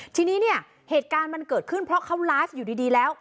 ทีนี้เนี่ยเหตุการณ์มันเกิดขึ้นเพราะเขาไลฟ์อยู่ดีแล้ว